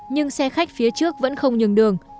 nhưng xe khách phía trước vẫn không nhường đường